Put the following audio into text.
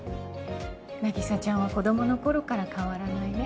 凪沙ちゃんは子どもの頃から変わらないね。